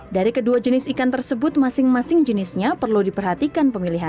dari kedua jenis ikan tersebut masing masing jenisnya perlu diperhatikan pemilihan